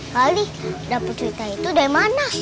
kali dapur cerita itu dari mana